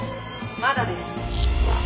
「まだです」。